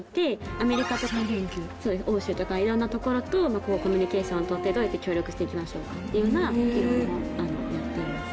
アメリカとか欧州とかいろんなところとコミュニケーションを取ってどうやって協力して行きましょうかっていうような議論をやっています。